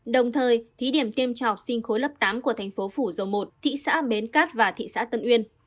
đồng thời thí điểm tiêm cho học sinh khối lớp tám của thành phố phủ dầu một thị xã bến cát và thị xã tân uyên